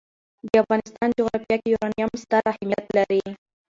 د افغانستان جغرافیه کې یورانیم ستر اهمیت لري.